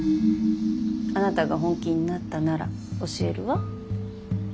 あなたが本気になったなら教えるわ。